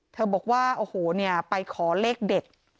บอกว่าโอ้โหเนี่ยไปขอเลขเด็ด